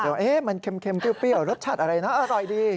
คุณก็อาจจะว่ามันเค็มเปรี้ยวรสชาติอะไรนะอร่อยดี